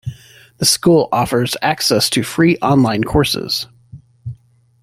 The School also offers access to free online courses.